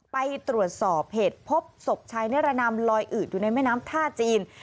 ไปตรวจสอบเหตุพบศพชายนิรนามลอยอืดอยู่ในแม่น้ำท่าจีน